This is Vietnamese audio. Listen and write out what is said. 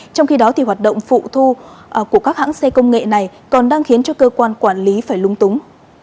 trong khi đó hoạt động phụ thu của các hãng xe công nghệ này còn đang khiến cơ quan quản lý phải lung túng